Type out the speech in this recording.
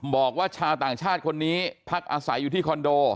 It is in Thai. บอกว่าชาวต่างชาติคนนี้พักอาศัยอยู่ที่คอนโด